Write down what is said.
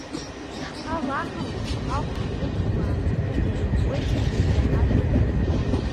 Ишԥалаҳамҭои, ҳахәцә ыҵхәрааны илымкуеи дыбжьаҳажьыр.